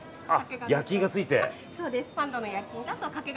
焼印がついて。